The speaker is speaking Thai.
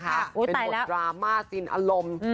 อู๊ยตายแล้วเป็นบทดราม่าสินอารมณ์